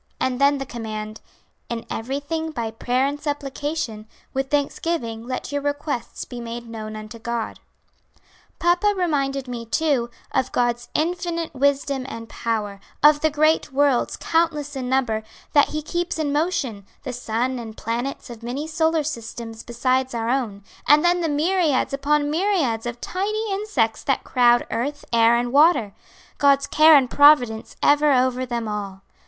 And then the command: 'In everything by prayer and supplication, with thanksgiving let your requests be made known unto God.' Papa reminded me, too, of God's infinite wisdom and power, of the great worlds, countless in number, that He keeps in motion the sun and planets of many solar systems besides our own and then the myriads upon myriads of tiny insects that crowd earth, air, and water; God's care and providence ever over them all.